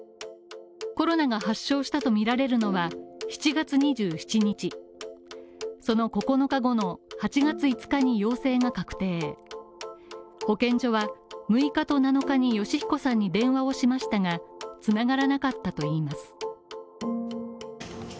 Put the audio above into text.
コロナが発症したとみられるのは７月２７日その９日後の８月５日に陽性が確定、保健所は６日と７日に善彦さんに電話をしましたが、繋がらなかったといいます。